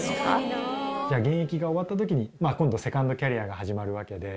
現役が終わった時に今度セカンドキャリアが始まるわけで。